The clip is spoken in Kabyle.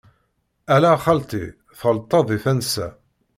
Ala a xalti, tɣelṭeḍ di tansa.